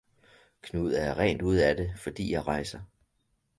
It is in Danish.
Knud er rent ude af det fordi jeg rejser!